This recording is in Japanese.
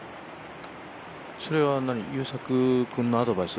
それは優作君のアドバイス？